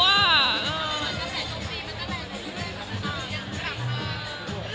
อาทิตย์กลับมาเล่าไม่รู้เลยว่าต้องสัมภาษณ์อะไรยังไงบ้าง